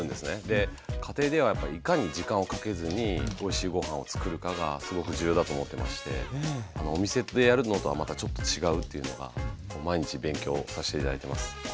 で家庭ではやっぱりいかに時間をかけずにおいしいごはんを作るかがすごく重要だと思ってましてお店でやるのとはまたちょっと違うというのが毎日勉強さして頂いてます。